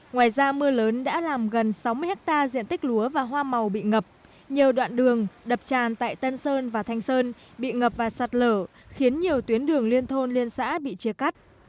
ngoài ra mưa lớn đã làm gần sáu mươi hectare diện tích lúa và hoa màu bị ngập nhiều đoạn đường đập tràn tại tân sơn và thanh sơn bị ngập và sạt lở khiến nhiều tuyến đường liên thôn liên xã bị chia cắt